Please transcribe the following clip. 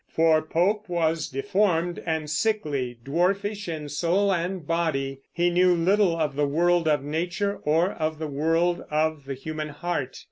For Pope was deformed and sickly, dwarfish in soul and body. He knew little of the world of nature or of the world of the human heart.